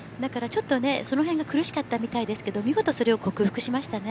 その辺が苦しかったみたいですけど見事それを克服しましたね。